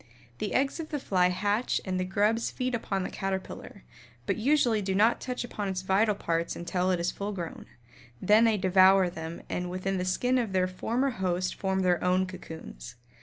The eggs of the fly hatch and the grubs feed upon the Caterpillar, but usually do not touch upon its vital parts until it is full grown, then they devour them and within the skin of their former host form their own cocoons.